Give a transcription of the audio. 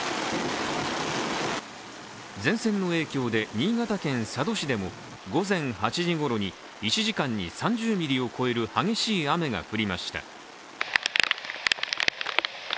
前線の影響で新潟県佐渡市でも、午前８時ごろに１時間に３０ミリを超える激しい雨が降りました。